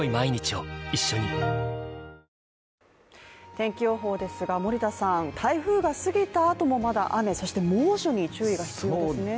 天気予報ですが、台風が過ぎたあともまだ雨、そして猛暑に注意が必要ですね。